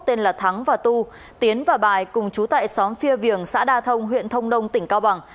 tên là thắng và tu tiến và bài cùng chú tại xóm phia viềng xã đa thông huyện thông nông tỉnh cao bằng